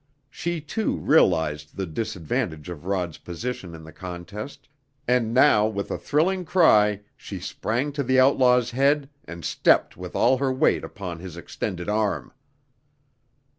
She, too, realized the disadvantage of Rod's position in the contest, and now with a thrilling cry she sprang to the outlaw's head and stepped with all her weight upon his extended arm.